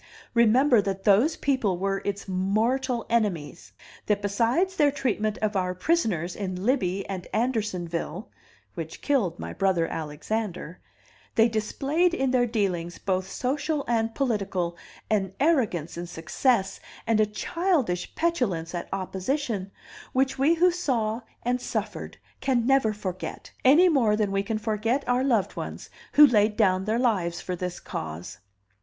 Remember that those people were its mortal enemies; that besides their treatment of our prisoners in Libby and Andersonville (which killed my brother Alexander) they displayed in their dealings, both social and political, an arrogance in success and a childish petulance at opposition, which we who saw and suffered can never forget, any more than we can forget our loved ones who laid down their lives for this cause."